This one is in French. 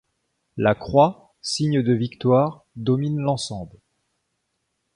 La croix, signe de victoire, domine l'ensemble.